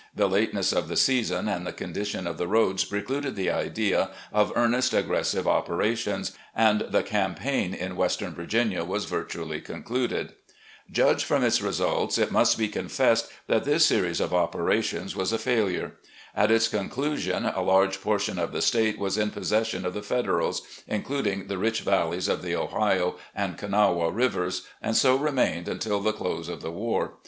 The lateness of the season and the condition of the roads precluded the idea of earnest, aggressive operations, and the campaign in western Virginia was virtually concluded. "Judged from its results, it must be confessed that this 52 RECOLLECTIONS OF GENERAL LEE series of operations was a failure. At its conclusion, a large portion of the State was in possession of the Federals, including the rich valleys of the Ohio and Kanawha rivers, and so remained until the close of the war.